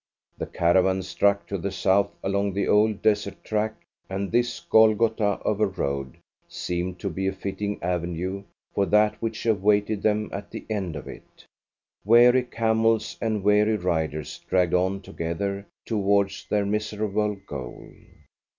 The caravan struck to the south along the old desert track, and this Golgotha of a road seemed to be a fitting avenue for that which awaited them at the end of it. Weary camels and weary riders dragged on together towards their miserable goal.